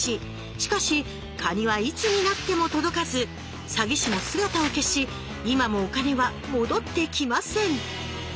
しかしカニはいつになっても届かず詐欺師も姿を消し今もお金は戻ってきません